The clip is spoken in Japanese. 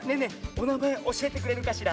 おなまえおしえてくれるかしら？